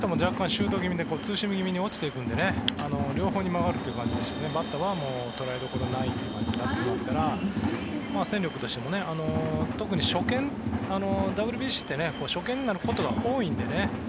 シュート気味でツーシーム気味に落ちていくんで両方に曲がるという感じですしバッターの捉えどころがない感じになってますから戦力としても特に初見ＷＢＣって初見になることが多いのでね。